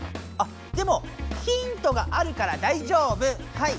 あでもヒントがあるから大丈夫！